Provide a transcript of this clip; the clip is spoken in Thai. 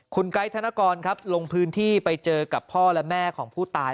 คุณไกด์ธนกรครับลงพื้นที่ไปเจอกับพ่อและแม่ของผู้ตาย